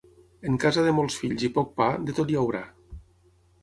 En casa de molts fills i poc pa, de tot hi haurà.